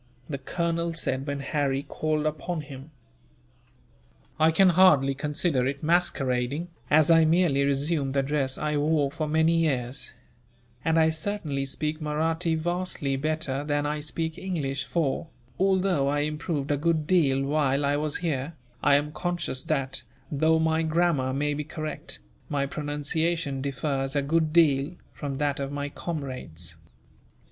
the colonel said, when Harry called upon him. "I can hardly consider it masquerading, as I merely resumed the dress I wore for many years; and I certainly speak Mahratti vastly better than I speak English for, although I improved a good deal while I was here, I am conscious that, though my grammar may be correct, my pronunciation differs a good deal from that of my comrades."